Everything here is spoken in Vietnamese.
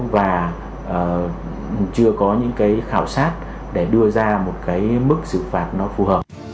và chưa có những cái khảo sát để đưa ra một cái mức xử phạt nó phù hợp